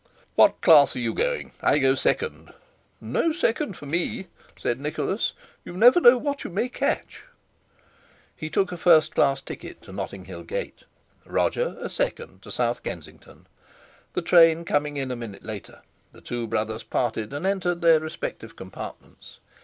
"What class are you going? I go second." "No second for me," said Nicholas;—"you never know what you may catch." He took a first class ticket to Notting Hill Gate; Roger a second to South Kensington. The train coming in a minute later, the two brothers parted and entered their respective compartments.